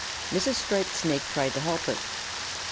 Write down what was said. Mrs. Striped Snake tried to help her.